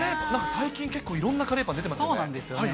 最近、結構いろんなカレーパン出てますよね。